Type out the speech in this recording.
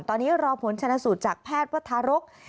ตอนนี้รอผลชนะสูตรจากแพทย์วัฒรก